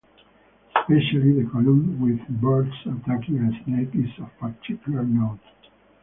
Especially the column with birds attacking a snake is of particular note.